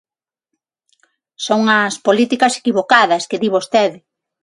Son as políticas equivocadas que di vostede.